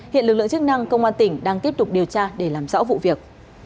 hiện lực lượng chức năng công an tỉnh đang tiếp tục điều tra để làm rõ vụ việc